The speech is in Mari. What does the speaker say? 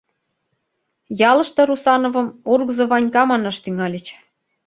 Ялыште Русановым «ургызо Ванька» манаш тӱҥальыч.